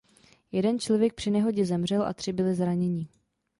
Jeden člověk při nehodě zemřel a tři byli zraněni.